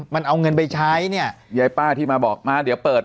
มันเอาเงินไปใช้เนี่ยยายป้าที่มาบอกมาเดี๋ยวเปิด